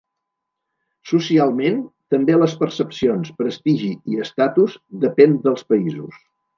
Socialment, també les percepcions, prestigi i estatus depèn dels països.